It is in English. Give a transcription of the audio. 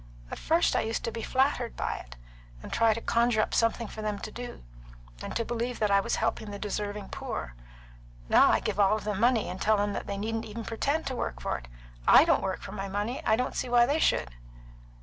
At first I used to be flattered by it, and try to conjure up something for them to do, and to believe that I was helping the deserving poor. Now I give all of them money, and tell them that they needn't even pretend to work for it. I don't work for my money, and I don't see why they should."